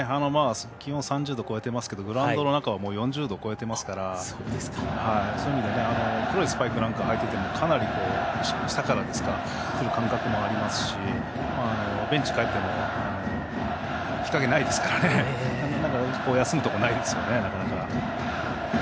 気温３０度を超えていますけどグラウンドの中は４０度を超えてますから黒いスパイクを履いててもかなり下からくる感覚もありますしベンチにかえっても日陰がないですから休むところがないですね。